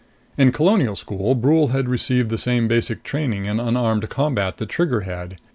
In colonial school Brule had received the same basic training in unarmed combat that Trigger had.